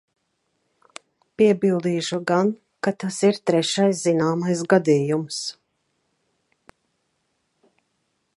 Piebildīšu gan, ka tas ir trešais zināmais gadījums.